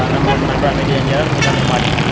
kemudian nampak nampak media yang jalan bukan sempat